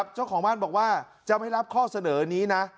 เจ้าของบ้านบอกว่าจะไม่รับข้อเสนอนี้นะ